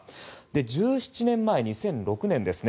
１７年前、２００６年ですね。